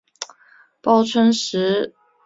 报春石斛为兰科石斛属下的一个种。